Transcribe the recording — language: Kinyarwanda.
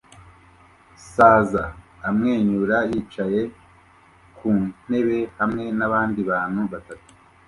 Saza amwenyura yicaye ku ntebe hamwe nabandi bantu batatu